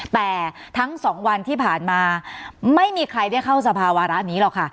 แต่ทั้งสองวันที่ผ่านมาไม่มีใครได้เข้าสภาวะระนี้หรอกค่ะ